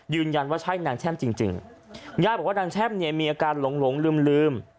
ยืนยันว่าใช้นางแช่มจริงญาติบอกว่านางแช่มเนี่ยมีอาการหลงลืม